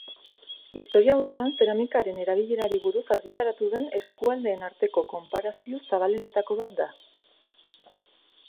Historiaurrean zeramikaren erabilerari buruz argitaratu den eskualdeen arteko konparazio zabalenetako bat da.